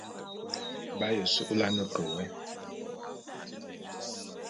B'aye su'ulane ke wôé.